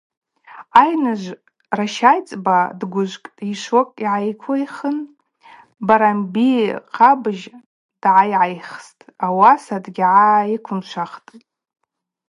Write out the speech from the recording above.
Айныжвква ращайцӏба дгвыжкӏтӏ, йшвокь гӏайыхъвдихын, Барамби-хъабыжь дгӏайайхстӏ, ауаса дгьгӏайыквымшватӏ.